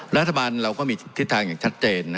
รัฐบาลเราก็มีทิศทางอย่างชัดเจน